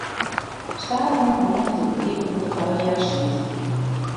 Stadichoan begûn ik te begripen hoe't it allegearre siet.